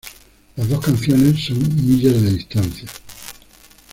Las dos canciones son millas de distancia.